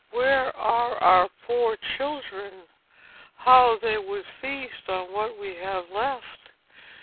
where are our poor children? how they would feast on what we have left!